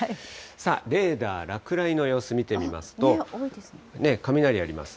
さあ、レーダー、落雷の様子見てみますと、雷あります。